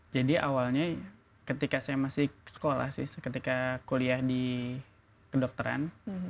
jadi awalnya ketika saya masih sekolah ketika kuliah di kedokteran